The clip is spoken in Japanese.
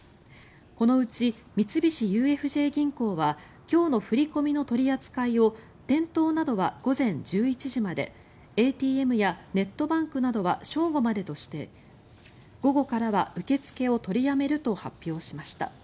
このうち三菱ＵＦＪ銀行は今日の振り込みの取り扱いを店頭などは午前１１時までＡＴＭやネットバンクなどは正午までとして午後からは受け付けを取りやめると発表しました。